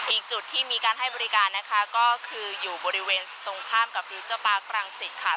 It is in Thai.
อีกจุดที่มีการให้บริการนะคะก็คืออยู่บริเวณตรงข้ามกับฟิวเจอร์ปาร์ครังสิตค่ะ